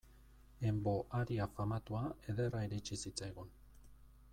En vo aria famatua ederra iritsi zitzaigun.